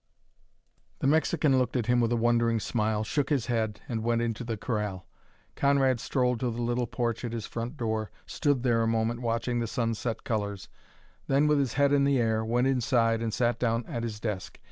The Mexican looked at him with a wondering smile, shook his head, and went on into the corral. Conrad strolled to the little porch at his front door, stood there a moment watching the sunset colors; then, with his head in the air, went inside and sat down at his desk.